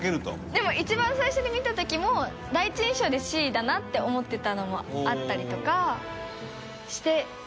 でも一番最初に見た時も第一印象でＣだなって思ってたのもあったりとかして。